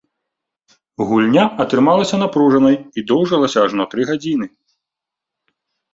Гульня атрымалася напружанай і доўжылася ажно тры гадзіны.